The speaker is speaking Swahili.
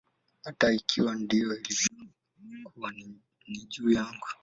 Hata ikiwa ndivyo ilivyokuwa, ni juu yangu.